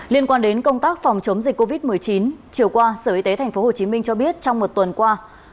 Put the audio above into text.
liên quan đến công tác phòng chống dịch covid một mươi chín chiều qua sở y tế tp hcm cho biết trong một tuần qua